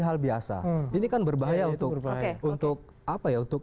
hal biasa ini kan berbahaya untuk